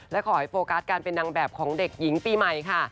และขอให้โฟกัสการเป็นนางแบบของเด็กหญิงปีใหม่ค่ะ